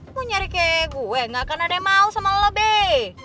mau nyari kayak gue gak akan ada yang mau sama lo bi